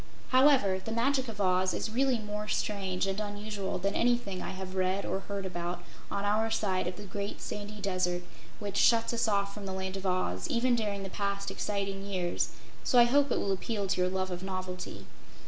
However, "The Magic of Oz" is really more strange and unusual than anything I have read or heard about on our side of The Great Sandy Desert which shuts us off from The Land of Oz, even during the past exciting years, so I hope it will appeal to your love of novelty.